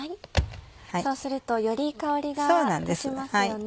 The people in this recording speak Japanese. そうするとより香りが立ちますよね。